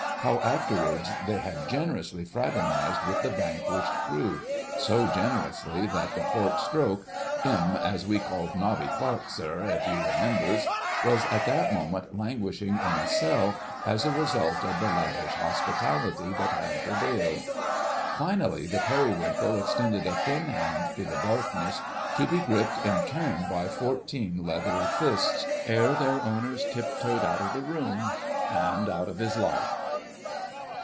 How afterwards they had generously fraternised with the vanquished crew,—so generously that the port stroke—"'im as we calls 'Nobby' Clark, sir, if you remembers"—was at that moment languishing in a cell, as a result of the lavish hospitality that had prevailed. Finally, the Periwinkle extended a thin hand to the darkness, to be gripped in turn by fourteen leathery fists, ere their owners tiptoed out of the room and out of his life.